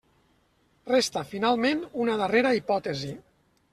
Resta, finalment, una darrera hipòtesi.